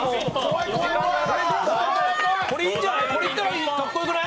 これ、いいんじゃない？